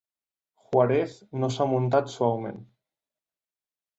"Juarez" no s'ha muntat suaument.